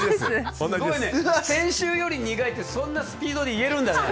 先週より苦いってそんなスピードで言えるんだね。